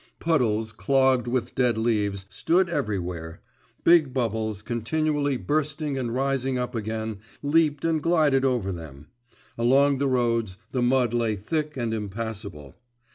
Puddles, clogged with dead leaves, stood everywhere. Big bubbles, continually bursting and rising up again, leaped and glided over them. Along the roads, the mud lay thick and impassable.